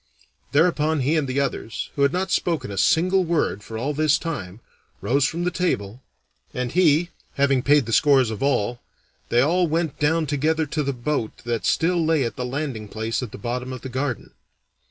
Thereupon he and the others, who had not spoken a single word for all this time, rose from the table, and he having paid the scores of all, they all went down together to the boat that still lay at the landing place at the bottom of the garden.